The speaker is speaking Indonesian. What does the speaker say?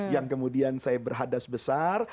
yang kemudian saya berhadas besar